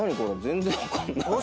全然分かんない。